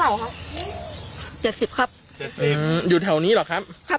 อายุเท่าไหร่ครับเจ็ดสิบครับเจ็ดสิบอยู่แถวนี้หรอครับครับ